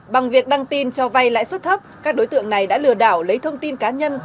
bằng việc đăng tin cho vay lãi suất thấp các đối tượng này đã lừa đảo lấy thông tin cá nhân